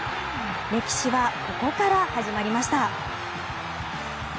歴史はここから始まりました。